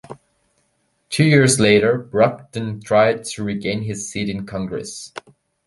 Two years later Brogden tried to regain his seat in Congress.